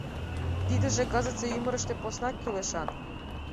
Тидыже кызытсе ӱмырыштӧ поснак кӱлешан.